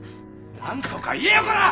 何とか言えよこら！